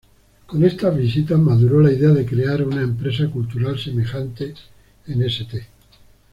Con estas visitas maduró la idea de crear una empresa cultural semejante en St.